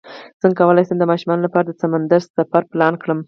څنګه کولی شم د ماشومانو لپاره د سمندر سفر پلان کړم